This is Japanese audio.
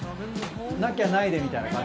なきゃないでみたいな感じ。